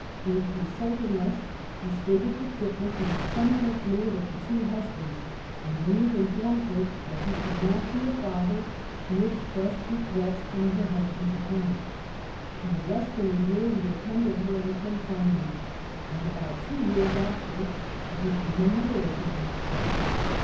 In consulting us she stated the difii'erence in the seminal fluid of the two husbands, and when we informed her that he could not be a father, she expressed regrets on her husband's account. In less than a year we attended her in confinement. In about two years after she became a mother again.